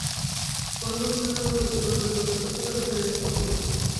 কোনোভাবে ঝর্ণাগুলোর গতিপথ পরিবর্তন করতে পারলে, জলের স্তর কমবে।